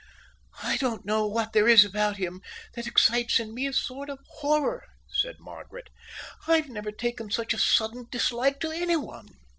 "I don't know what there is about him that excites in me a sort of horror," said Margaret. "I've never taken such a sudden dislike to anyone."